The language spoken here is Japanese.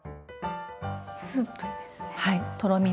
スープですね。